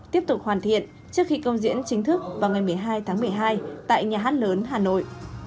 tiếp tục hoàn thiện trước khi công diễn chính thức vào ngày một mươi hai tháng một mươi hai tại nhà hát lớn hà nội